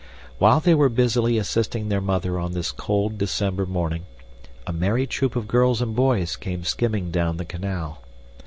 While they were busily assisting their mother on this cold December morning, a merry troop of girls and boys came skimming down the canal.